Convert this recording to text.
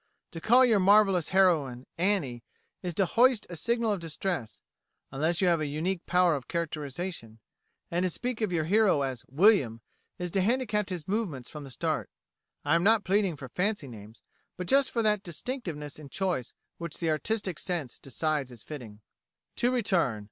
To call your marvellous heroine "Annie" is to hoist a signal of distress, unless you have a unique power of characterisation; and to speak of your hero as "William" is to handicap his movements from the start. I am not pleading for fancy names, but just for that distinctiveness in choice which the artistic sense decides is fitting. To return.